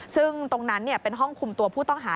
ซึ่งตรงนั้นเป็นห้องคุมตัวผู้ต้องหา